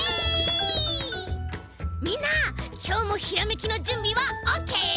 みんなきょうもひらめきのじゅんびはオッケー？